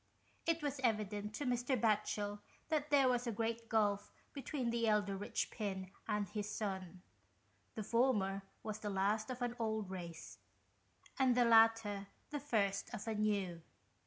It was evident to Mr. Batchel that there was a great gulf between the elder Richpin and his son ; the former was the last of an old race, and the latter the first of a new.